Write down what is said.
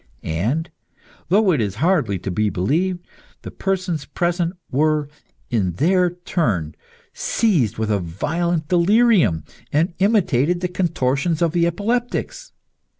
And though it is hardly to be believed the persons present were in their turn seized with a violent delirium, and imitated the contortions of the epileptics.